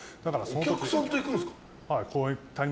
お客さんと行くんですか。